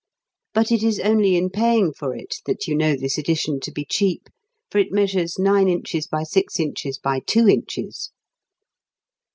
But it is only in paying for it that you know this edition to be cheap, for it measures nine inches by six inches by two inches.